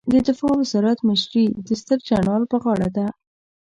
د دفاع وزارت مشري د ستر جنرال په غاړه ده